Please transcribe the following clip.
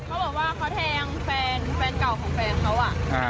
เขาบอกว่าเขาแทงแฟนแฟนเก่าของแฟนเขาอ่ะ